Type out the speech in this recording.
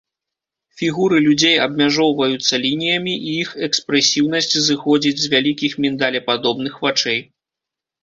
Фігуры людзей абмяжоўваюцца лініямі і іх экспрэсіўнасць зыходзіць з вялікіх міндалепадобных вачэй.